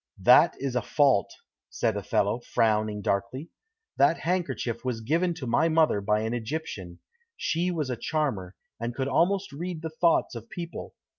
"That is a fault," said Othello, frowning darkly. "That handkerchief was given to my mother by an Egyptian. She was a charmer, and could almost read the thoughts of people.